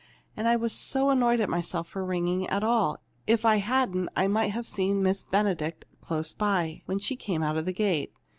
And I was so annoyed at myself for ringing at all. If I hadn't, I might have seen Miss Benedict close by, when she came out of the gate.